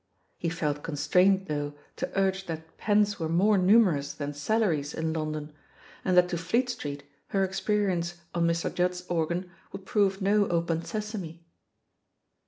He felt con strained, though, to urge that pens were more numerous than salaries in London, and that to Fleet Street her experience on Mr. Judd's organ would prove no Open Sesame.